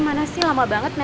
makasih ya jess